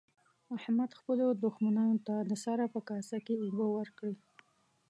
احمد خپلو دوښمنانو ته د سره په کاسه کې اوبه ورکړې.